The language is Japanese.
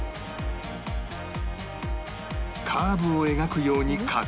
カーブを描くように加工